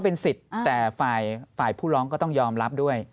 เป็นสิทธิ์แต่ฝ่ายผู้ร้องก็ต้องยอมรับด้วย